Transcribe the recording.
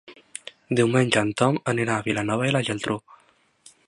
Diumenge en Tom anirà a Vilanova i la Geltrú.